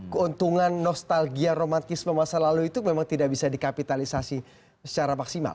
keuntungan nostalgia romantisme masa lalu itu memang tidak bisa dikapitalisasi secara maksimal